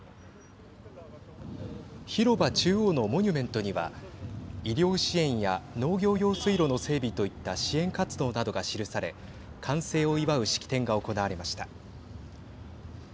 広場中央のモニュメントには医療支援や農業用水路の整備といった支援活動などが記され完成を祝う式典が行われました。